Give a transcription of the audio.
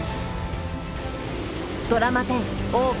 ドラマ１０「大奥」